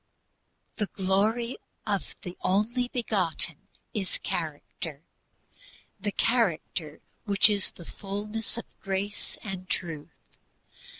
"The Glory of the Only Begotten" is character, the character which is "fullness of grace and truth."